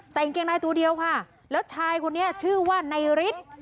อังเกงในตัวเดียวค่ะแล้วชายคนนี้ชื่อว่านายฤทธิ์